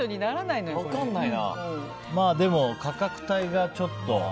でも、価格帯がちょっと。